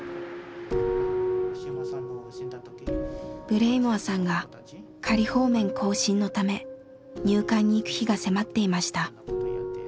ブレイモアさんが仮放免更新のため入管に行く日が迫っていました。